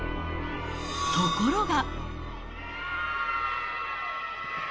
ところが。